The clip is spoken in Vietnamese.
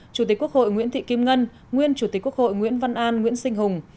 chủ tịch quốc hội nguyễn thị kim ngân nguyên chủ tịch quốc hội nguyễn văn an nguyễn sinh hùng